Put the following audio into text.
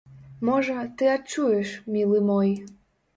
Можа, ты адчуеш, мілы мой.